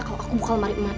kalo aku bukal mariman